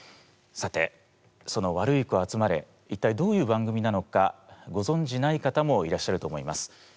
さてその「ワルイコあつまれ」一体どういう番組なのかごぞんじない方もいらっしゃると思います。